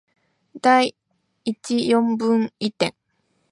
第一四分位点